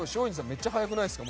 めっちゃ速くないですか？